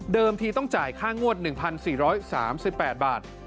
ทีต้องจ่ายค่างวด๑๔๓๘บาท